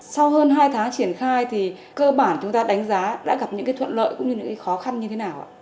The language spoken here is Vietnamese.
sau hơn hai tháng triển khai thì cơ bản chúng ta đánh giá đã gặp những thuận lợi cũng như những khó khăn như thế nào ạ